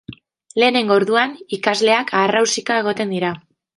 Lehenengo orduan ikasleak aharrausika egoten dira.